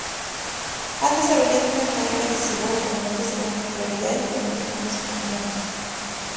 Ha desarrollado una carrera desigual, con momentos de gran popularidad y otros menos afortunados.